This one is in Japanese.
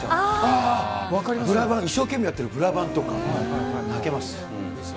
ブラバン、一生懸命やってるブラバンとか泣けます。